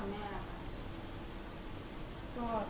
แม่ล่ะครับ